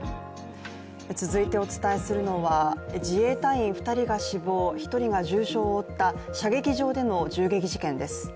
続いてはお伝えするのは、自衛隊員２人が死亡、１人が重傷を負った射撃場での銃撃事件です。